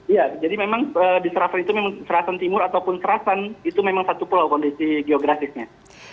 iya jadi memang di serasan itu memang serasan timur ataupun serasan itu memang satu pulau kondisi geografisnya